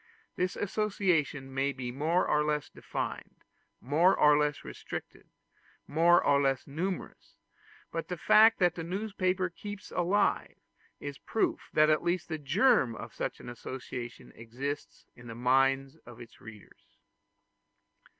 This association may be more or less defined, more or less restricted, more or less numerous; but the fact that the newspaper keeps alive, is a proof that at least the germ of such an association exists in the minds of its readers.